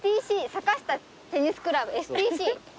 坂下テニスクラブＳＴＣ。